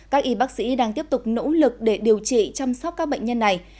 các y bác sĩ đang tiếp tục nỗ lực để điều trị chăm sóc các bệnh nhân này